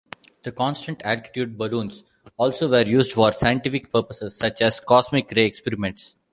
The constant-altitude balloons also were used for scientific purposes such as cosmic ray experiments.